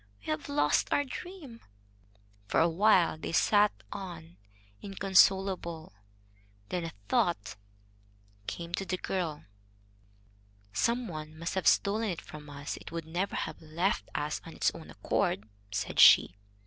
"We have lost our dream." For a while they sat on, inconsolable. Then a thought came to the girl. "Some one must have stolen it from us. It would never have left us of its own accord," said she.